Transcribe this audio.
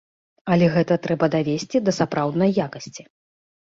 Але гэта трэба давесці да сапраўднай якасці.